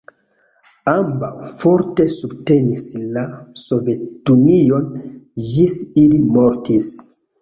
Ambaŭ forte subtenis la Sovetunion, ĝis ili mortis.